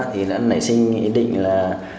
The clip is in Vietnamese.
thì đã nảy sinh ý định là